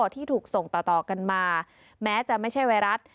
ที่ถูกส่งต่อกันมาแม้จะไม่ใช่ไวรัส